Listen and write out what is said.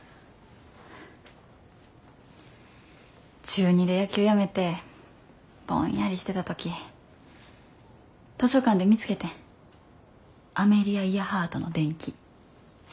中２で野球やめてぼんやりしてた時図書館で見つけてんアメリア・イヤハートの伝記。